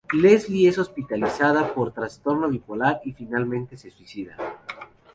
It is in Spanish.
Leslie es hospitalizada por trastorno bipolar y finalmente se suicida.